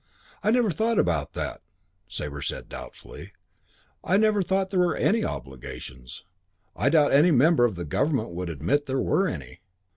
"I never thought about that," Sabre said doubtfully. "I never thought there were any obligations. I doubt any member of the Government would admit there were any."